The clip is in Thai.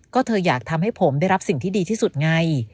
ก็เธออยากทำให้ผมได้รับสิ่งที่ดีที่สุดไง